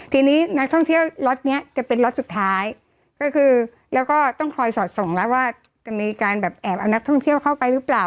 ทีนี้นักท่องเที่ยวล็อตเนี้ยจะเป็นล็อตสุดท้ายก็คือแล้วก็ต้องคอยสอดส่องแล้วว่าจะมีการแบบแอบเอานักท่องเที่ยวเข้าไปหรือเปล่า